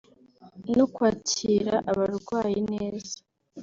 no kwakira abarwayi neza